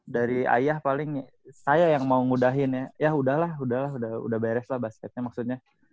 dari ayah paling saya yang mau ngudahin ya udahlah udahlah udah beres lah basketnya maksudnya